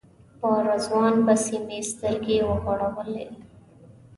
په رضوان پسې مې سترګې وغړولې.